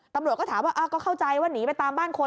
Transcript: ตำรวจก็ถามว่าก็เข้าใจว่าหนีไปตามบ้านคน